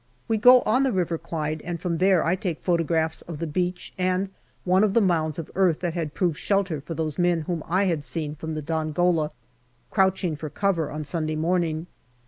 We go on the River Clyde, and from there I take photo graphs of the beach and one of the mounds of earth that had proved shelter for those men whom I had seen from the Dongola crouching for cover on Sunday morning.